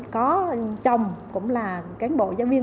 có chồng cũng là cán bộ giáo viên